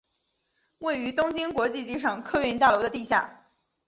位于东京国际机场客运大楼的地下。